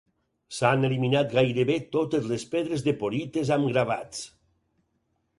S'han eliminat gairebé totes les pedres de porites amb gravats.